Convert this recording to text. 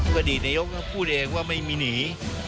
อดีตนายกก็พูดเองว่าไม่มีหนี